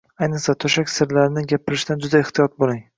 Ayniqsa, to‘shak sirlarini gapirishdan juda ehtiyot bo‘ling.